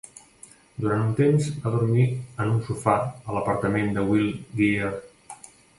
Durant un temps, va dormir en un sofà a l'apartament de Will Geer.